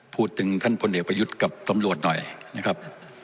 พูดถึงท่านพลเอกประยุทธ์กับตำรวจหน่อยนะครับ